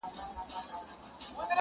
پر هر ځای چي ټولۍ وینی د پوهانو!.